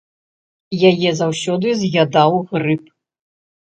Яе заўсёды з'ядаў грыб.